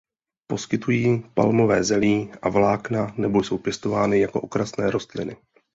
Poskytují palmové zelí a vlákna nebo jsou pěstovány jako okrasné rostliny.